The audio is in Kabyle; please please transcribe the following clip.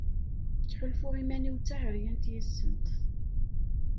Ttḥulfuɣ iman-iw d taɛeryant yis-sent.